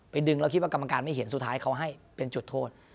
ดึงแล้วคิดว่ากรรมการไม่เห็นสุดท้ายเขาให้เป็นจุดโทษ